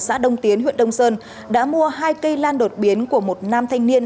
xã đông tiến huyện đông sơn đã mua hai cây lan đột biến của một nam thanh niên